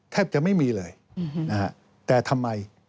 แทบจะไม่มีเลยนะฮะแต่ทำไม